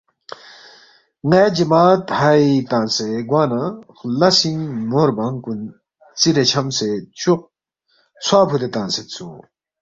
نایا جماد ہائے تنگسے گوانا خلاسینگ نور بانگ کن ژیرے چھمسے چوق ژھوا فودے تنگسید سو۔